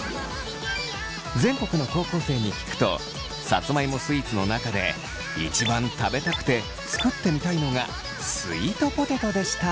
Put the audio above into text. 全国の高校生に聞くとさつまいもスイーツの中で一番食べたくて作ってみたいのがスイートポテトでした。